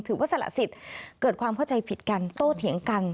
สละสิทธิ์เกิดความเข้าใจผิดกันโต้เถียงกัน